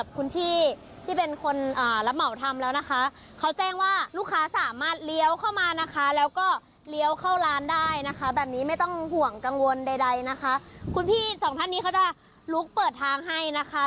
คุณพี่สองท่านนี้เขาจะลุกเปิดทางให้นะคะ